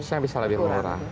costnya bisa lebih murah